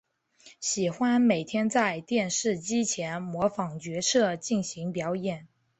喜欢每天在电视机前模仿角色进行表演。